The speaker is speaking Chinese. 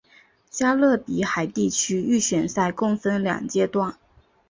加勒比海地区预选赛共分两阶段。